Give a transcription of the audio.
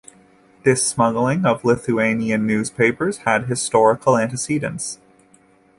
This smuggling of Lithuanian newspapers had historical antecedents.